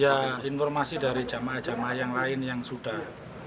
ya informasi dari jemaah jemaah yang lain yang sudah